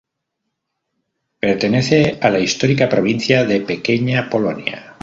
Pertenece a la histórica provincia de Pequeña Polonia.